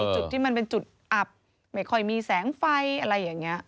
จุดที่มันเป็นจุดอับไม่ค่อยมีแสงไฟอะไรอย่างนี้